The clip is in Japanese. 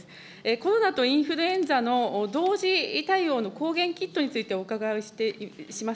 コロナとインフルエンザの同時対応の抗原キットについてお伺いします。